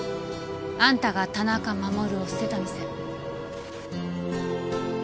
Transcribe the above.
あんたが田中守を捨てた店。